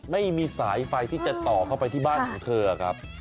ไม่มีสายไฟที่จะต่อเข้าไปที่บ้านของเธอครับ